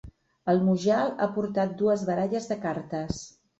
El Mujal ha portat dues baralles de cartes.